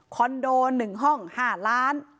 คอนโด๑ห้อง๕ล้าน